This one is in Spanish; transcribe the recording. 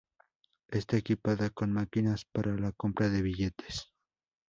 Está equipada con máquinas para la compra de billetes.